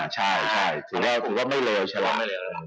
ใช่ถือว่าไม่เลวใช่ไหม